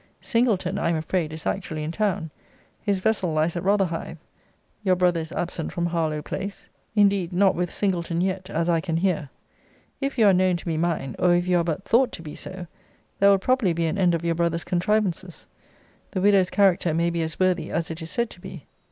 Singleton, I am afraid, is actually in town; his vessel lies at Rotherhithe your brother is absent from Harlowe place; indeed not with Singleton yet, as I can hear. If you are known to be mine, or if you are but thought to be so, there will probably be an end of your brother's contrivances. The widow's character may be as worthy as it is said to be.